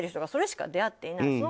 それしか出会っていない。